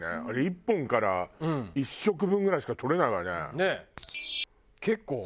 あれ１本から１食分ぐらいしかとれないわね。